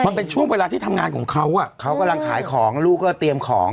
มันเป็นช่วงเวลาที่ทำงานของเขาอ่ะเขากำลังขายของลูกก็เตรียมของ